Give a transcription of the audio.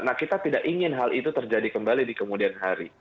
nah kita tidak ingin hal itu terjadi kembali di kemudian hari